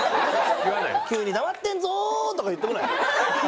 「急に黙ってんぞ！」とか言ってこない？